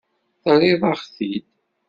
Terriḍ-aɣ-t-id.